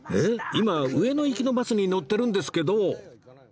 今上野行きのバスに乗ってるんですけど